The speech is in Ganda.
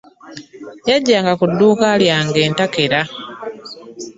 Yajjanga ku dduuka lyange entakera.